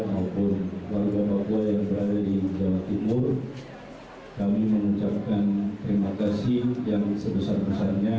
maupun warga papua yang berada di jawa timur kami mengucapkan terima kasih yang sebesar besarnya